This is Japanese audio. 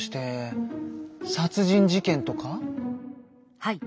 はい。